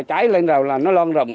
cháy lên rồi là nó lon rộng